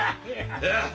いや。